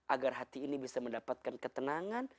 agar hati ini bisa mendapatkan ketenangan